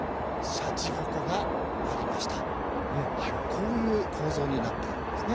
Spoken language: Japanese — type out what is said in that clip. こういう構造になっているんですね。